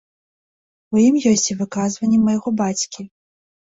У ім ёсць і выказванні майго бацькі.